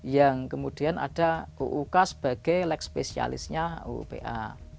yang kemudian ada uuk sebagai leg spesialisnya uupa